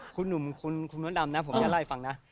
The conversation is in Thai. คุณหนุ่มคุณน้องดำนะผมอยากเล่าให้ฟังนะ